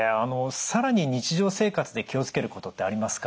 更に日常生活で気を付けることってありますか？